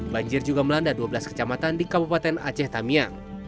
banjir juga melanda dua belas kecamatan di kabupaten aceh tamiang